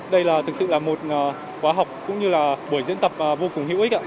đây là thực sự là một khóa học cũng như là buổi diễn tập vô cùng hữu ích